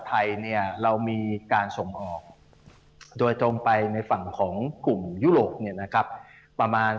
ไทยเรามีการสมออกโดยตรงไปในฝั่งของกลุ่มยุโรปประมาณ